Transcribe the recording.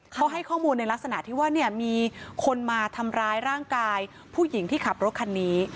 เขาให้ข้อมูลในลักษณะที่ว่าเนี่ยมีคนมาทำร้ายร่างกายผู้หญิงที่ขับรถคันนี้